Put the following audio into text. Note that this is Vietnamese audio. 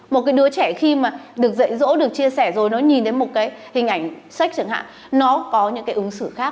một cái đứa trẻ khi mà được dạy dỗ được chia sẻ rồi nó nhìn đến một cái hình ảnh sách chẳng hạn nó có những cái ứng xử khác